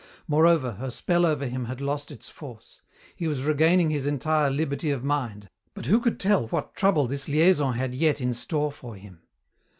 Moreover, her spell over him had lost its force. He was regaining his entire liberty of mind, but who could tell what trouble this liaison had yet in store for him?